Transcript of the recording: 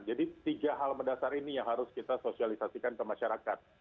jadi tiga hal mendasar ini yang harus kita sosialisasikan ke masyarakat